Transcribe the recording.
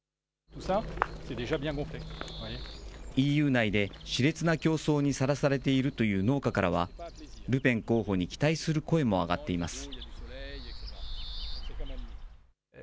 ＥＵ内で、しれつな競争にさらされているという農家からは、ルペン候補に期待する声も上がっています。